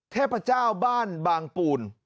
เทพเจ้าบ้านบางปูน